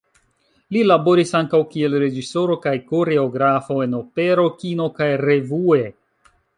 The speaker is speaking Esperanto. Li laboris ankaŭ kiel reĝisoro kaj koreografo en opero, kino kaj "revue".